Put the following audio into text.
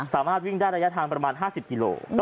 สามารถวิ่งได้ระยะทางประมาณ๕๐กิโล